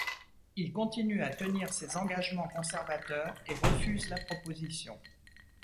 Il continue à tenir ses engagements conservateurs et refuse la proposition.